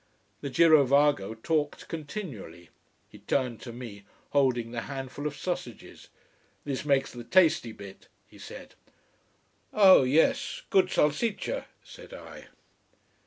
The girovago talked continually. He turned to me, holding the handful of sausages. "This makes the tasty bit," he said. "Oh yes good salsiccia," said I.